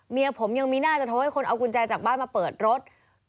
เมียผมยังมีหน้าจะโทรให้คนเอากุญแจจากบ้านมาเปิดรถ